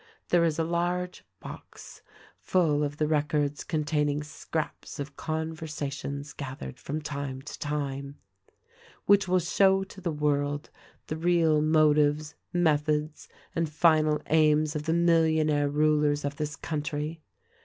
There is a large box full of the records containing scraps of conversations gathered from time to time, which will show to the world the real motives, methods and final aims of the millionaire rulers of this country.